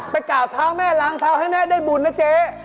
กราบเท้าแม่ล้างเท้าให้แม่ได้บุญนะเจ๊